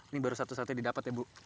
ini baru satu satunya didapat ya bu